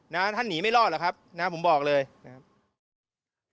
นะท่านหนีไม่รอดหรอกครับนะผมบอกเลยนะครับ